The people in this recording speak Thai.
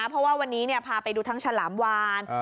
เพราะว่าวันนี้เนี้ยพาไปดูทั้งฉลามวานเออ